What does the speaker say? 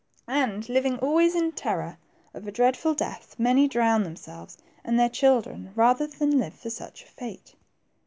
And living always in terror of a dreadful death, many drowned them selves and their children, rather than live for such a fate.